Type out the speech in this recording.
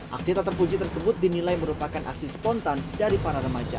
aksi tak terpuji tersebut dinilai merupakan aksi spontan dari para remaja